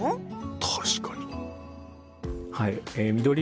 確かに。